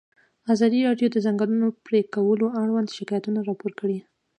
ازادي راډیو د د ځنګلونو پرېکول اړوند شکایتونه راپور کړي.